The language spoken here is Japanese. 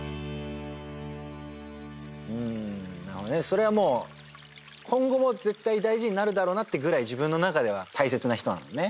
それはもう今後も絶対大事になるだろうなってぐらい自分の中では大切な人なんだね。